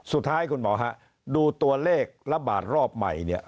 สุดท้ายคุณหมอฮะดูตัวเลขระบาดรอบใหม่เนี่ย